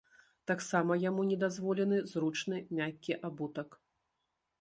Таксама яму не дазволены зручны мяккі абутак.